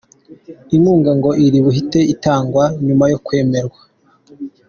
Inkunga ngo iri buhite itangwa nyuma yo kwemerwa.